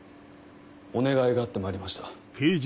お願いがあってまいりました。